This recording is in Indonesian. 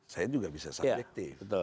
saya juga bisa subjektif